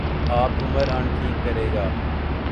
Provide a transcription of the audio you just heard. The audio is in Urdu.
آب عمر انٹهیک کرے گا